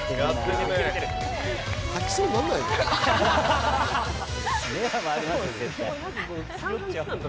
吐きそうにならないの？